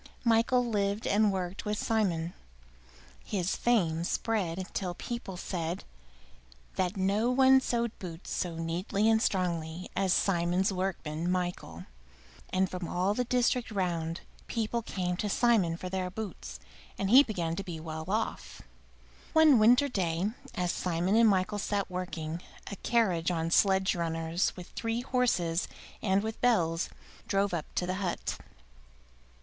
Michael lived and worked with Simon. His fame spread till people said that no one sewed boots so neatly and strongly as Simon's workman, Michael; and from all the district round people came to Simon for their boots, and he began to be well off. One winter day, as Simon and Michael sat working, a carriage on sledge runners, with three horses and with bells, drove up to the hut.